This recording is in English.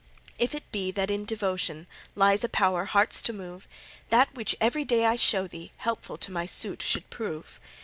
If it be that in devotion Lies a power hearts to move, That which every day I show thee, Helpful to my suit should prove.